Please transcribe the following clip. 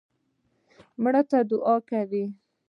مړي ته دعا کوئ